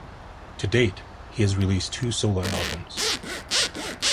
To date, he has released two solo albums.